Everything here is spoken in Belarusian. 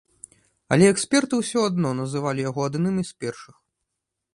Але эксперты ўсё адно называлі яго адным з першых.